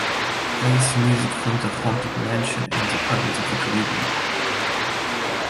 Plays music from The Haunted Mansion and Pirates of the Caribbean.